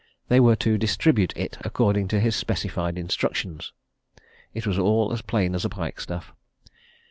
They were to distribute it according to his specified instructions. It was all as plain as a pikestaff.